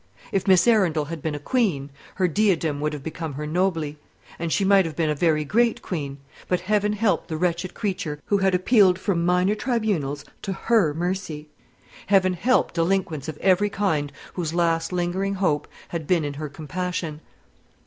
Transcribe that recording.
If Miss Arundel had been a queen, her diadem would have become her nobly; and she might have been a very great queen: but Heaven help the wretched creature who had appealed from minor tribunals to her mercy! Heaven help delinquents of every kind whose last lingering hope had been in her compassion!